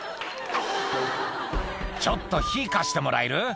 「ちょっと火貸してもらえる？」